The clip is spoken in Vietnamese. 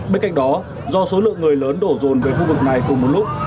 bên cạnh đó do số lượng người lớn đổ rồn về khu vực này cùng một lúc